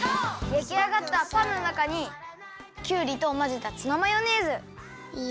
やきあがったパンのなかにきゅうりとまぜたツナマヨネーズ。いれて。